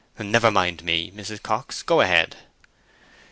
"Never mind me, Mrs. Cox; go ahead."